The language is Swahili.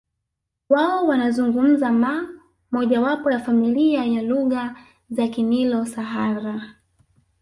Wao wanazungumza Maa mojawapo ya familia ya lugha za Kinilo Sahara